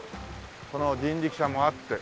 この人力車もあって。